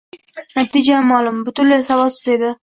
Natija ma`lum, butunlay savodsiz edi